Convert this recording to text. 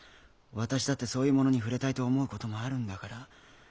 私だってそういうものに触れたいと思う事もあるんだから。